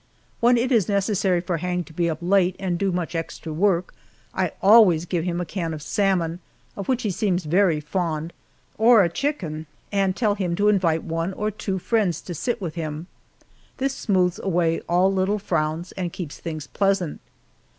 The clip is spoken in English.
When it is necessary for Hang to be up late and do much extra work, I always give him a can of salmon, of which he seems very fond or a chicken, and tell him to invite one or two friends to sit with him. This smooths away all little frowns and keeps things pleasant.